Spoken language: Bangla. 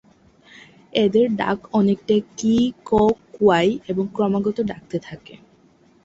এদের ডাক অনেকটা "কি-কো-কুয়াই" এবং ক্রমাগত ডাকতে থাকে।